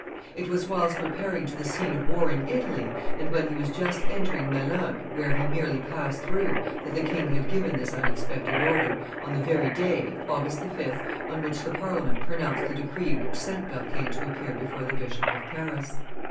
It was whilst repairing to the scene of war in Italy, and when he was just entering Melun, where he merely passed through, that the king had given this unexpected order, on the very day, August 5, on which the Parliament pronounced the decree which sent Berquin to appear before the Bishop of Paris.